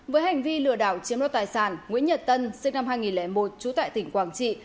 với hành vi lừa đảo chiếm đoạt tài sản nguyễn nhật tân sinh năm hai nghìn một trú tại tỉnh quảng trị